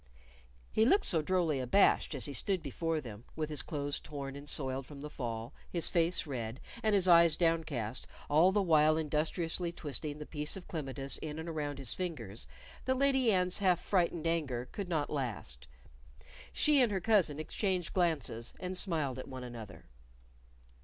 He looked so drolly abashed as he stood before them, with his clothes torn and soiled from the fall, his face red, and his eyes downcast, all the while industriously twisting the piece of clematis in and around his fingers, that Lady Anne's half frightened anger could not last. She and her cousin exchanged glances, and smiled at one another.